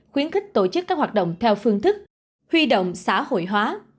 khuyến khích tổ chức các hoạt động theo phương thức huy động xã hội hóa